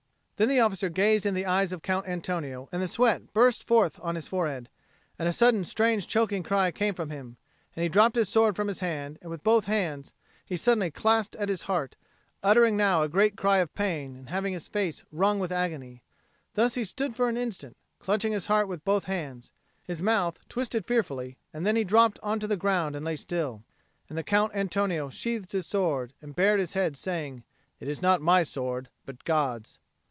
Then the officer gazed into the eyes of the Count Antonio; and the sweat burst forth on his forehead. A sudden strange choking cry came from him; he dropped his sword from his hand, and with both hands he suddenly clasped his heart, uttering now a great cry of pain and having his face wrung with agony. Thus he stood for an instant, clutching his heart with both his hands, his mouth twisted fearfully, and then he dropped on to the ground and lay still. And the Count Antonio sheathed his sword, and bared his head, saying, "It is not my sword, but God's."